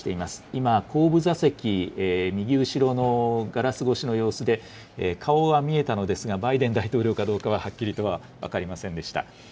今、後部座席、右後ろのガラス越しの様子で、顔が見えたのですが、バイデン大統領かどうかははっきりとは分かりませんでした。